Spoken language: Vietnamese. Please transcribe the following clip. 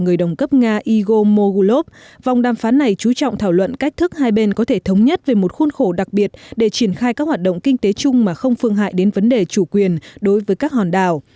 ông mugolov vòng đàm phán này chú trọng thảo luận cách thức hai bên có thể thống nhất về một khuôn khổ đặc biệt để triển khai các hoạt động kinh tế chung mà không phương hại đến vấn đề chủ quyền đối với các hòn đảo